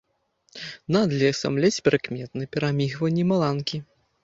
Над лесам ледзь прыкметны пераміргванні маланкі.